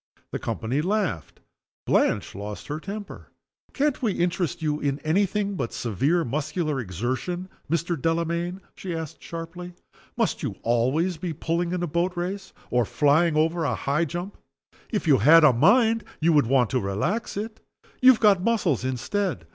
The company laughed. Blanche lost her temper. "Can't we interest you in any thing but severe muscular exertion, Mr. Delamayn?" she asked, sharply. "Must you always be pulling in a boat race, or flying over a high jump? If you had a mind, you would want to relax it. You have got muscles instead.